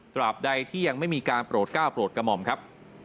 บใดที่ยังไม่มีการโปรดก้าวโปรดกระหม่อมครับ